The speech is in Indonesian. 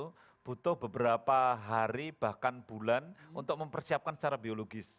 itu butuh beberapa hari bahkan bulan untuk mempersiapkan secara biologis